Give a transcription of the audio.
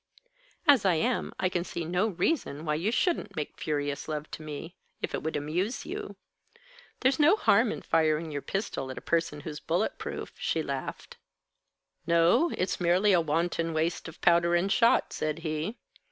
"As I am, I can see no reason why you shouldn't make furious love to me, if it would amuse you. There's no harm in firing your pistol at a person who's bullet proof," she laughed. "No; it's merely a wanton waste of powder and shot," said he.